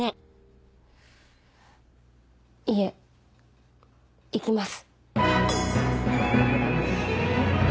いえ行きます。